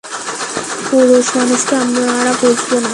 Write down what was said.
পুরুষমানুষকে আমরা বুঝব না।